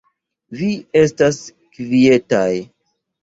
Vi estas kvietaj.